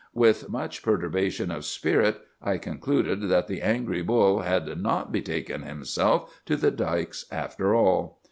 With much perturbation of spirit I concluded that the angry bull had not betaken himself to the dikes after all.